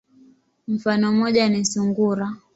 Mfano moja ni sungura.